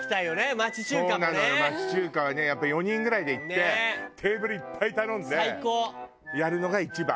町中華はねやっぱり４人ぐらいで行ってテーブルいっぱい頼んでやるのが一番。